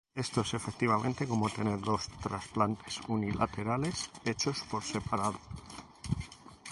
Esto es efectivamente como tener dos trasplantes unilaterales hechos por separado.